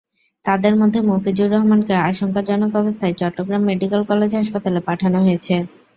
তাঁদের মধ্যে মফিজুর রহমানকে আশঙ্কাজনক অবস্থায় চট্টগ্রাম মেডিকেল কলেজ হাসপাতালে পাঠানো হয়েছে।